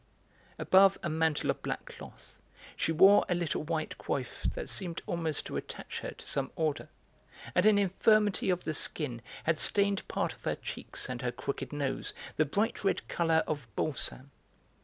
Above a mantle of black cloth she wore a little white coif that seemed almost to attach her to some Order, and an infirmity of the skin had stained part of her cheeks and her crooked nose the bright red colour of balsam.